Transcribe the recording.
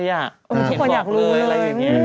ทุกคนอยากรู้อะไรอย่างนี้